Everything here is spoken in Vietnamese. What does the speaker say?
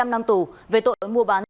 một mươi năm năm tù về tội mua bán